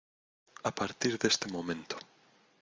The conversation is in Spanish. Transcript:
a partir de este momento